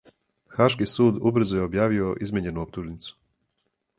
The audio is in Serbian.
Хашки суд убрзо је објавио измењену оптужницу.